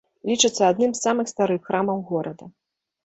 Лічыцца адным з самых старых храмаў горада.